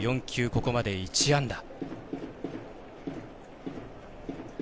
ここまで１安打。